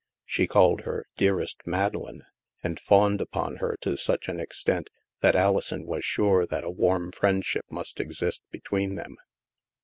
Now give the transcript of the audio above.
She called her " dearest Mad eleine," and fawned upon her to such an extent that Alison was sure that a warm friendship must exist between them.